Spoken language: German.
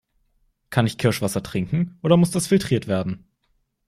Kann ich Kirschwasser trinken oder muss das filtriert werden?